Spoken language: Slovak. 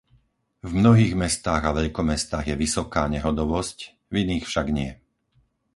V mnohých mestách a veľkomestách je vysoká nehodovosť, v iných však nie.